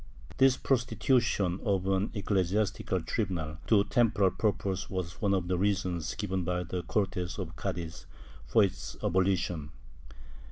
This prostitution of an ecclesiastical tribunal to temporal pur poses was one of the reasons given by the Cortes of Cadiz for its abolition.